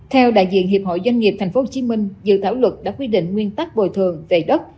theo đại diện hiệp hội doanh nghiệp tp hcm dự thảo luật đã quy định nguyên tắc bồi thường về đất